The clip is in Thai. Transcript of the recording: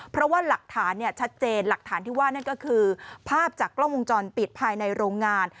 เพราะว่าหลักฐานชัดเจนหลักฐานที่ว่านั่นก็คือภาพจากกล้องวงจรปิดภายในโรงงาน